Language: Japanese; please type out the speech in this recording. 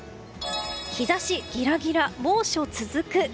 日差しギラギラ、猛暑続く。